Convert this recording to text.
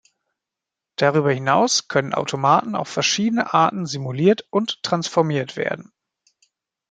Darüber hinaus können Automaten auf verschiedene Arten simuliert und transformiert werden.